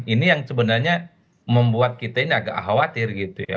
ini yang sebenarnya membuat kita ini agak khawatir gitu ya